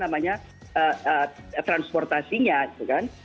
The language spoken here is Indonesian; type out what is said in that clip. namanya transportasinya gitu kan